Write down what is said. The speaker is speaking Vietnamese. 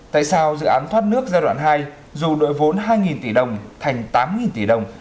tại sao dự án thoát nước giai đoạn hai dù đội vốn hai tỷ đồng thành tám tỷ đồng